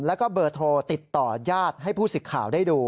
แล้วก็เบอร์โทรติดต่อญาติให้ผู้สิทธิ์ข่าวได้ดู